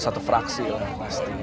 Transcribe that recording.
satu fraksi lah pasti